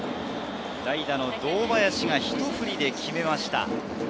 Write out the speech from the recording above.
代打・堂林がひと振りで決めました。